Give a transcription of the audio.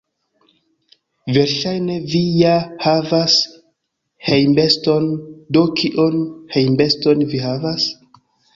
Versaĵne vi ja havas hejmbeston, do kion hejmbeston vi havas?